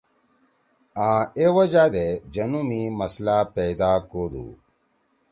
آں اے وجہ دے جنُو می مسلہ پیدا کودُو۔